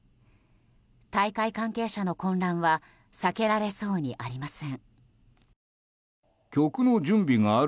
大会関係者の混乱は避けられそうにありません。